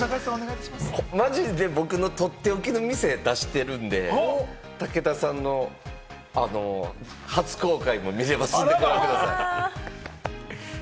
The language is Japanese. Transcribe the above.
マジで僕のとっておきの店出してるんで、武田さんの初公開もみられますんで、ご覧ください。